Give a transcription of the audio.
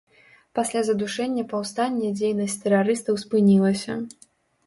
Пасля задушэння паўстання дзейнасць тэрарыстаў спынілася.